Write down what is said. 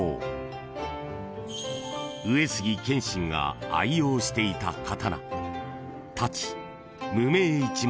［上杉謙信が愛用していた刀］